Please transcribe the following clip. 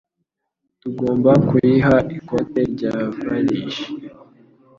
Tugomba kuyiha ikote rya varish.